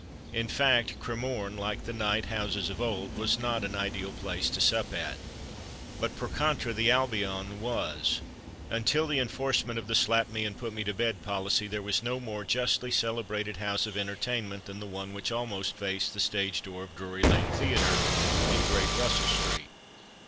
In fact, Cremorne, like the "night houses" of old, was not an ideal place to sup at. But, per contra, the "Albion" was. Until the enforcement of the "slap me and put me to bed" policy there was no more justly celebrated house of entertainment than the one which almost faced the stage door of Drury Lane theatre, in Great Russell Street.